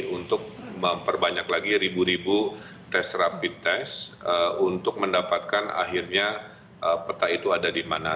untuk memperbanyak lagi ribu ribu tes rapid test untuk mendapatkan akhirnya peta itu ada di mana